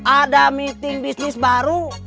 ada meeting bisnis baru